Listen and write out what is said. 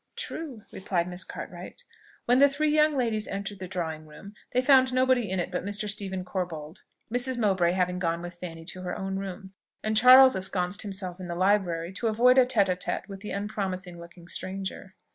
"True!" replied Miss Cartwright. When the three young ladies entered the drawing room, they found nobody in it but Mr. Stephen Corbold; Mrs. Mowbray having gone with Fanny to her own room, and Charles ensconced himself in the library, to avoid a tête à tête with the unpromising looking stranger.